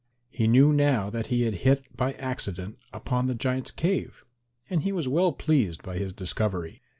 He knew now that he had hit by accident upon the giant's cave and he was well pleased by his discovery.